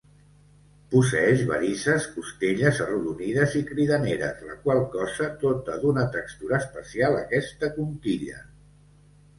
Posseïx varices, costelles, arrodonides i cridaneres, la qual cosa dota d'una textura especial aquesta conquilla.